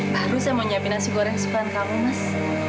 baru saya mau nyiapin nasi goreng superan kamu mas